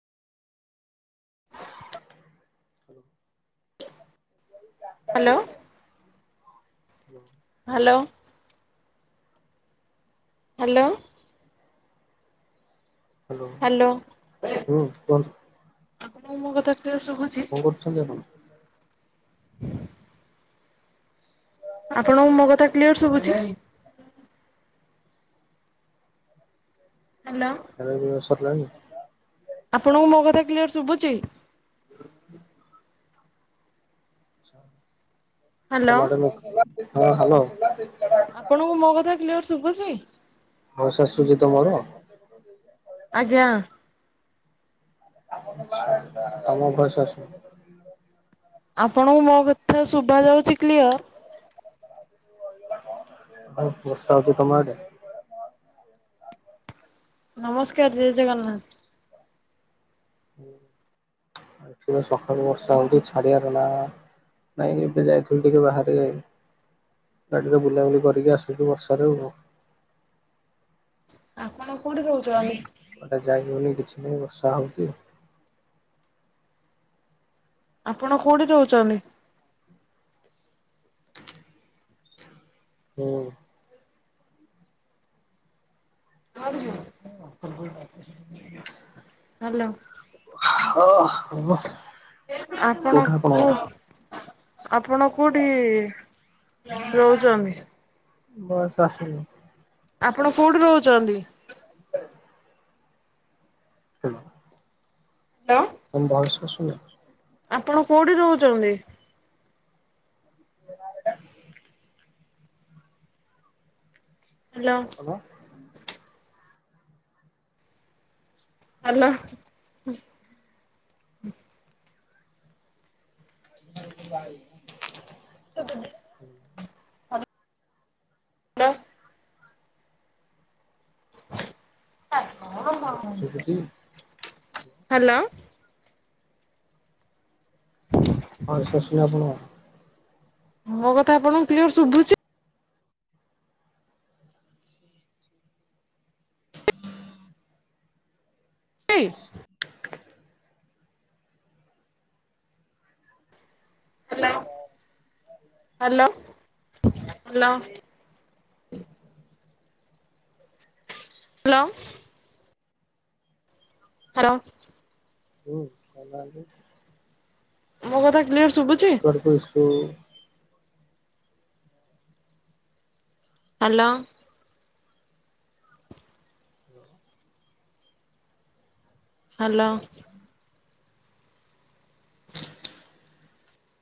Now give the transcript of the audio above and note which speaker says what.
Speaker 1: Hello
Speaker 2: [inaudible]
Speaker 1: hello. Hello.
Speaker 2: Hello
Speaker 1: hello
Speaker 2: ହୁଁ କୁହନ୍ତୁ
Speaker 1: ଆପଣକୁ ମୋ କଥା କ୍ଲିଅର୍ ଶୁଭୁ
Speaker 2: କଁ କରୁଛନ୍ତି ଆପଣ?
Speaker 1: ହ ଆପଣଙ୍କୁ ମୋ କଥା କ୍ଲିୟର୍ ଶୁବୁଛି? ହାଲୋ।
Speaker 2: ଖାଇବା ପିଇବା ସରିଲାଣି?
Speaker 1: ଆପଣଙ୍କୁ ମୋ କଥା କ୍ଲିୟର୍ ଶୁବୁଚି? ହ୍ୟାଲୋ
Speaker 2: ଅ ମାଡ଼ାମ୍ ଏକ୍ ହଁ ହାଲୋ।
Speaker 1: ଆପଣଙ୍କୁ ମୋ କଥା କ୍ଲିଅର୍ ଶୁବୁଚି?
Speaker 2: ଭଏସ୍ ଆସୁଚି ତ ମୋର?
Speaker 1: ଆଜ୍ଞା।
Speaker 2: ତମ ଭଏସ୍ ଆସୁ
Speaker 1: ଆପଣଙ୍କୁ ମୋ କଥା ଶୁଭା ଯାଉଚି କ୍ଲିଅର୍?
Speaker 2: ବହୁତ୍ ବର୍ଷା ହଇଚି ତମ ଆଡ଼େ?
Speaker 1: ନମସ୍କାର୍ ଜୟ ଜଗନ୍ନାଥ। [unintelligible]
Speaker 2: ଏ ପୁରା ସକାଳୁ ବର୍ଷା ହଉଚି ଛାଡ଼ିଆର ନାଁ ନାଇଁ ଏବେ ଯାଇଥିଲୁ ଟିକେ ବାହାରେ ଗାଡ଼ିରେ ବୁଲାବୁଲି କରିକି ଆସିଲୁ ବର୍ଷାରେ ଆଉ କଁ।
Speaker 1: ଆପଣ କୋଉଠି ରହୁଛନ୍ତି?
Speaker 2: କୁଆଡ଼େ ଯାଇହଉନି କିଛି ନାହିଁ ବର୍ଷା ହଉଚି।
Speaker 1: ଆପଣ କୋଉଠି ରହୁଚନ୍ତି?
Speaker 2: ହୁଁ।
Speaker 1: କୁଆଡ଼େ ଯିବୁ ହାଲୋ
Speaker 2: ହଁ କୋଉଠା
Speaker 1: ଆପଣକୁ
Speaker 2: ଆପଣଙ୍କର?
Speaker 1: ଆପଣ କୋଉଠି ରହୁଚନ୍ତି?
Speaker 2: ଭଏସ୍ ଆସୁନି।
Speaker 1: ଆପଣ କୋଉଠି ରହୁଚନ୍ତି?
Speaker 2: [inaudible] [unintelligible]
Speaker 1: [unintelligible]
Speaker 2: ତମ ଭୟସ୍ ଆସୁଚିନା।
Speaker 1: ଆପଣ କୋଉଠି ରହୁଚନ୍ତି?
Speaker 2: [unintelligible]
Speaker 1: ହାଲୋ।
Speaker 2: ହାଲୋ।
Speaker 1: ହାଲୋ।
Speaker 2: [inaudible]
Speaker 1: ସେଦେବେ
Speaker 2: ହୁଁ। ଶୁଭୁଛି
Speaker 1: ହାଲୋ। [inaudible]
Speaker 2: ଭଏସ୍ ଆସୁନି ଆପଣଙ୍କୁ?
Speaker 1: ମୋକଥା ଆପଣଙ୍କୁ କ୍ଲିୟର ଶୁବୁଚି? ଇ hello hello hello. Hello. Hello.
Speaker 2: ହୁଁ କୋଉନାହାନ୍ତି।
Speaker 1: ମୋକଥା କ୍ଲିୟର ଶୁବ୍
Speaker 2: [unintelligible]
Speaker 1: ହାଲୋ। ହାଲୋ।
Speaker 2: [inaudible]